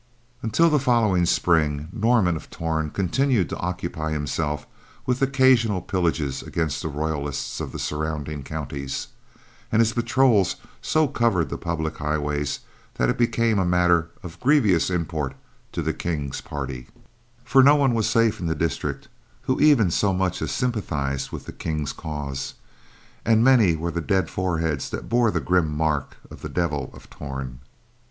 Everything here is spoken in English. Until the following Spring, Norman of Torn continued to occupy himself with occasional pillages against the royalists of the surrounding counties, and his patrols so covered the public highways that it became a matter of grievous import to the King's party, for no one was safe in the district who even so much as sympathized with the King's cause, and many were the dead foreheads that bore the grim mark of the Devil of Torn.